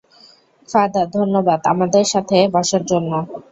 Father, ধন্যবাদ আমাদের সাথে বসার জন্য।